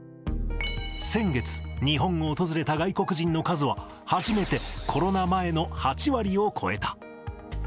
先月、日本を訪れた外国人の数は、初めてコロナ前の８割を超えた。